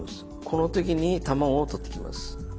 この時に卵を取ってきます。